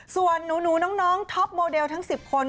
ส่วนหนูน้องท็อปโมเดลทั้ง๑๐คน